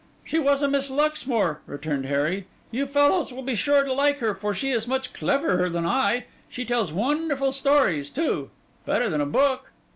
'She was a Miss Luxmore,' returned Harry. 'You fellows will be sure to like her, for she is much cleverer than I. She tells wonderful stories, too; better than a book.